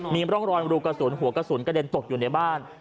มีร่องรอยรูกระสุนหัวกระสุนกระเด็นตกอยู่ในบ้าน